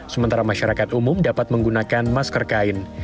sementara masyarakat umum dapat menggunakan masker kain